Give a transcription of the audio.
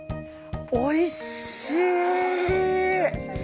おいしい。